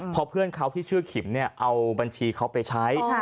พอเพื่อนเขาที่ชื่อขิมเอาบัญชีเขาไปใช้